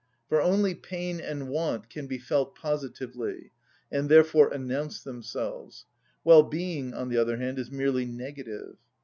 For only pain and want can be felt positively, and therefore announce themselves; well‐being, on the other hand, is merely negative.